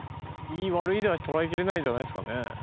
いい悪いでは捉えきれないんじゃないんですかね。